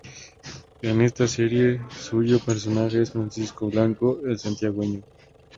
En esta serie, suyo personaje es Francisco Blanco "el santiagueño".